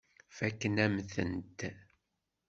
Fakken-am-tent.